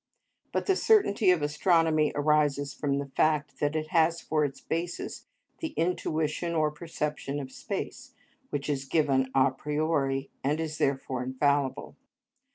But the certainty of astronomy arises from the fact that it has for its basis the intuition or perception of space, which is given a priori, and is therefore infallible.